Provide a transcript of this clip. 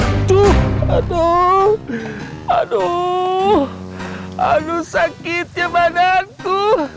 aduh aduh aduh aduh sakitnya badanku